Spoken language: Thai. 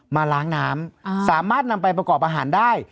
มาล้างน้ำสามารถนำไปประกอบอาหารได้